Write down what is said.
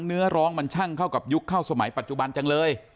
เนื้อร้องมันช่างเข้ากับยุคเข้าสมัยปัจจุบันจังเลย